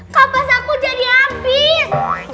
kapas aku jadi ambil